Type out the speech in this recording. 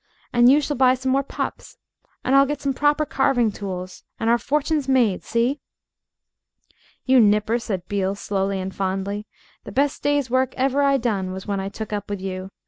And you shall buy some more pups. And I'll get some proper carving tools. And our fortune's made. See?" "You nipper," said Beale, slowly and fondly, "the best day's work ever I done was when I took up with you.